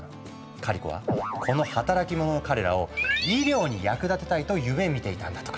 カリコはこの働き者の彼らを医療に役立てたいと夢みていたんだとか。